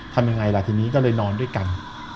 ทำยังไงล่ะทีนี้ก็เลยนอนด้วยกัน